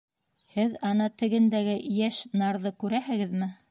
Һеҙ ана тегендәге йәш нарҙы күрәһегеҙме?